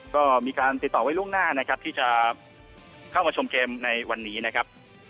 ก็มีการติดต่อไว้ล่วงหน้านะครับที่จะเข้ามาชมเกมในวันนี้นะครับ